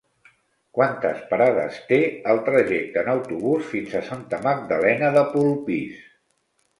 Quantes parades té el trajecte en autobús fins a Santa Magdalena de Polpís?